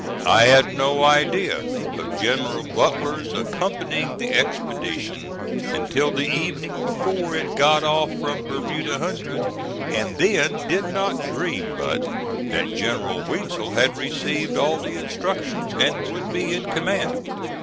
I had no idea of General Butler's accompanying the expedition until the evening before it got off from Bermuda Hundred, and then did not dream but that General Weitzel had received all the instructions, and would be in command.